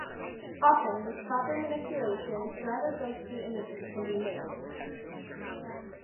Often, with proper manipulation, rather ghostly images can be made.